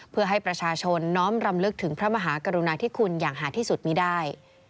เพื่อให้ประชาชนน้อมรำลึกถึงพระมหากรุณาธิคุณอย่างหาที่สุดมีได้